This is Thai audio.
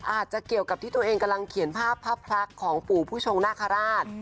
อาจจะเกี่ยวกับที่ตัวเองกำลังเขียนภาพภาพลักษณ์ของปู่ผู้ชงนาคาราช